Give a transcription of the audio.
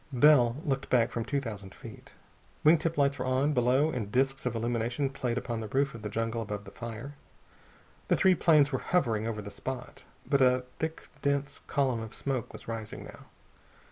Bell looked back from two thousand feet. Wing tip lights were on, below, and disks of illumination played upon the roof of the jungle above the fire. The three planes were hovering over the spot. But a thick dense column of smoke was rising, now.